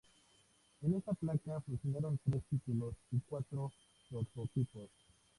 En esta placa funcionaron tres títulos y cuatro prototipos.